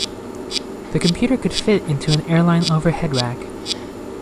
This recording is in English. The computer could fit into an airline overhead rack.